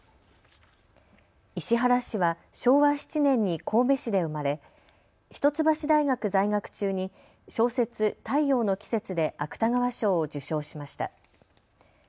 石原氏は昭和７年に神戸市で生まれ一橋大学在学中に小説、太陽の季節で芥川賞を受賞しました。